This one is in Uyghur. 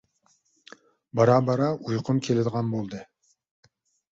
بارا-بارا ئۇيقۇم كېلىدىغان بولدى.